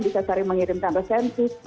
bisa saling mengirimkan resensi